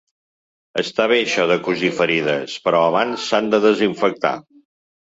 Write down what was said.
Està bé això de cosir ferides, però abans s’han de desinfectar.